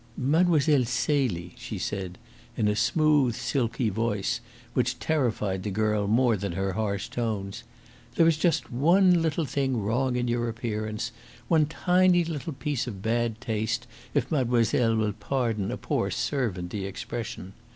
"Mlle. Celie," she said, in a smooth, silky voice, which terrified the girl more than her harsh tones, "there is just one little thing wrong in your appearance, one tiny little piece of bad taste, if mademoiselle will pardon a poor servant the expression.